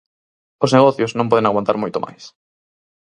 Os negocios non poden aguantar moito máis.